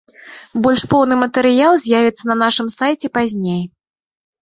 Больш поўны матэрыял з'явіцца на нашым сайце пазней.